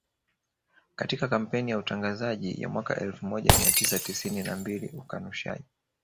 Katika kampeni ya utangazaji ya mwaka elfu moja mia tisa tisini na mbili ukanushaji